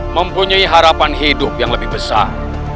mempunyai harapan hidup yang lebih besar